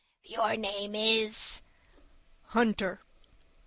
"Your name is—" "Hunter."